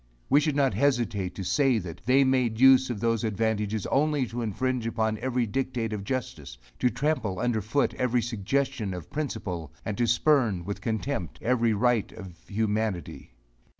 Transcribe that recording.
We should not hesitate to say that they made use of those advantages only to infringe upon every dictate of justice; to trample under foot every suggestion of principle, and to spurn, with contempt, every right of humanity.